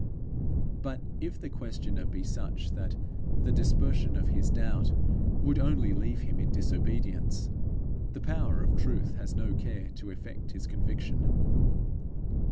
But if the questioner be such that the dispersion of his doubt would but leave him in disobedience, the Power of truth has no care to effect his conviction.